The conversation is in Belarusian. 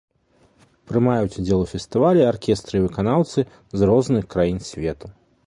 Прымаюць удзел у фестывалі аркестры і выканаўцы з розных краін свету.